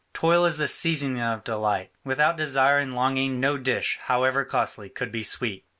Toil is the seasoning of delight; without desire and longing, no dish, however costly, could be sweet.